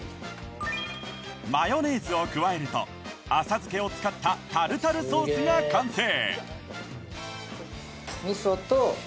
マヨネーズを加えると浅漬けを使ったタルタルソースが完成！